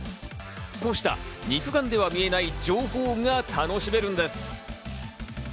こうした肉眼では見えない情報が楽しめるんです。